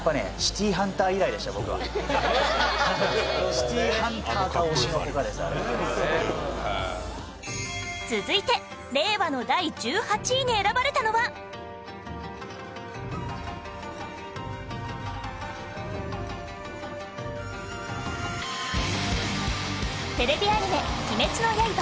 『シティーハンター』か『推しの子』かです。続いて、令和の第１８位に選ばれたのはテレビアニメ『鬼滅の刃』